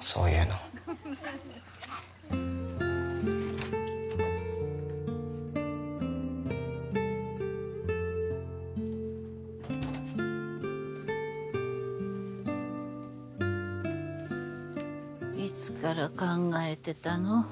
そういうのいつから考えてたの？